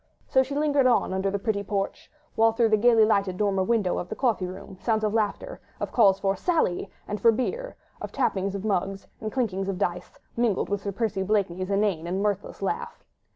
So she lingered on under the pretty porch, while through the gaily lighted dormer window of the coffee room came sounds of laughter, of calls for "Sally" and for beer, of tapping of mugs, and clinking of dice, mingled with Sir Percy Blakeney's inane and mirthless laugh.